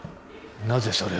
なぜそれを？